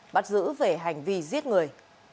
bắt giữ về hành vi giết người